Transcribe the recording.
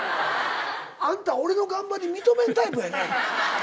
あんた俺の頑張り認めんタイプやね。